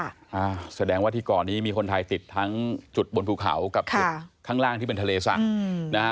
อ่าแสดงว่าที่ก่อนนี้มีคนไทยติดทั้งจุดบนภูเขากับจุดข้างล่างที่เป็นทะเลสั่งนะฮะ